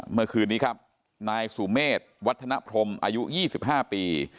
เมื่อคืนนี้ครับนายสุเมษวัฒนพรมอายุ๒๕ปี